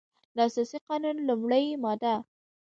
د اساسي قانون لمړۍ ماده